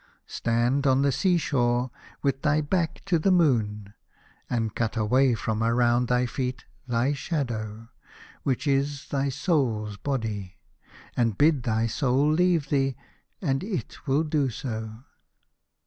Stand on the sea shore with thy back to the moon, and cut away from around thy feet thy shadow, which is thy soul's body, and bid thy soul leave thee, and it will do so."